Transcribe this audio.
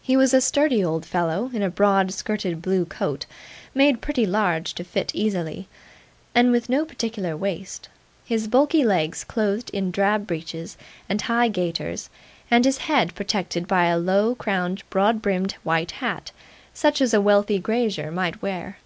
He was a sturdy old fellow in a broad skirted blue coat, made pretty large, to fit easily, and with no particular waist; his bulky legs clothed in drab breeches and high gaiters, and his head protected by a low crowned broad brimmed white hat, such as a wealthy grazier might wear.